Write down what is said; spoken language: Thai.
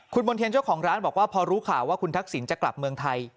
คุณมณ์เทียนเจ้าของร้านบอกว่าพอรู้ข่าวว่าคุณทักษิณจะกลับเมืองไทย